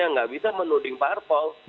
tidak bisa menuding parpol